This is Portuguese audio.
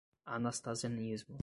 Anastasianismo